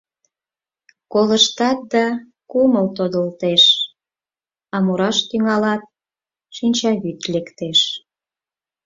Колыштат да кумыл тодылтеш, а мураш тӱҥалат — шинчавӱд лектеш.